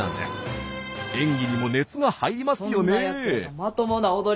演技にも熱が入りますよね。